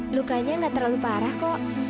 lukanya nggak terlalu parah kok